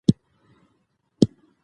خلک یې قبر ته درناوی کوي.